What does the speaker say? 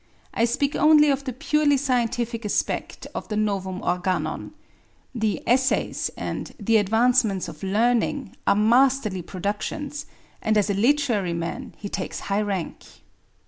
I speak only of the purely scientific aspect of the Novum Organon. The Essays and The Advancement of Learning are masterly productions; and as a literary man he takes high rank.